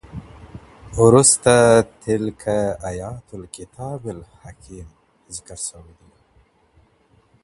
وروسته {تِلْكَ آيَاتُ الْكِتَابِ الْحَكِيمِ} ذکر سوی دی.